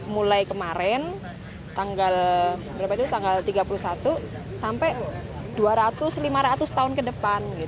mulai kemarin tanggal tiga puluh satu sampai dua ratus lima ratus tahun ke depan